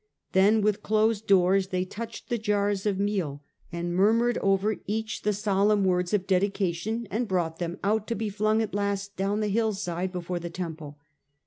Then with closed doors they touched the jars of meal, and murmured over «S4 The Age of the A ntonines. ch. vn. each tht solemn words of dedication, and brought them out to be flung at last down the hill side before the temple.